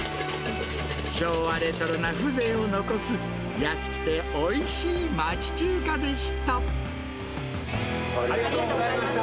昭和レトロな風情を残す、安くておいしい町中華でした。